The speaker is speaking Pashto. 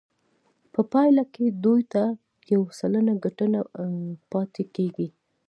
په پایله کې دوی ته یو سلنه ګټه پاتې کېږي